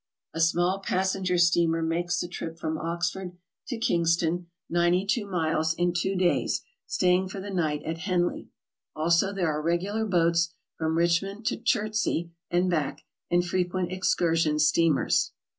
A small passenger steamer makes the trip from Oxford to 74 GOING ABROAD? Kingston, 92 miles, in two days, staying for the night at Henley; also there are regular boats from Richmond to Chertsey and back, and frequent excursion steamers.